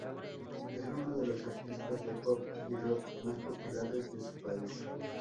Es uno de los artistas de pop y rock más populares de su país.